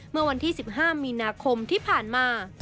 เมื่อวันที่๑๕มีนาคมที่ผ่านมา